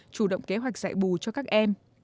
chủ động kế hoạch dạy bù cho các em